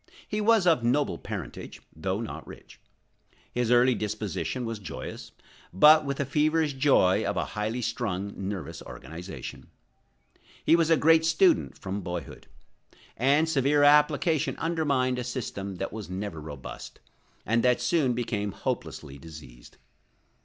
He was of noble parentage, though not rich. His early disposition was joyous, but with the feverish joy of a highly strung, nervous organization. He was a great student from boyhood; and severe application undermined a system that was never robust, and that soon became hopelessly diseased.